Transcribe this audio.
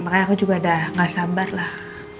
ya makanya aku juga udah nggak sabar lah